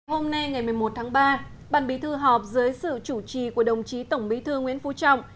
hôm nay ngày một mươi một tháng ba bàn bí thư họp dưới sự chủ trì của đồng chí tổng bí thư nguyễn phú trọng